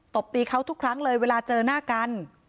บตีเขาทุกครั้งเลยเวลาเจอหน้ากัน